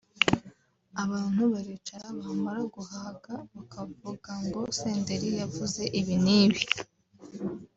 Abantu baricara bamara guhaga bakavuga ngo Senderi yavuze ibi n’ibi